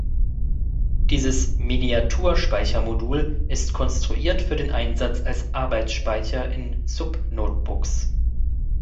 Dieses Miniatur-Speichermodul ist konstruiert für den Einsatz als Arbeitsspeicher in Sub-Notebooks.